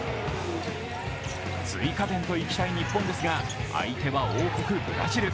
追加点といきたい日本ですが、相手は王国・ブラジル。